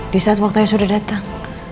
di saat waktunya sudah datang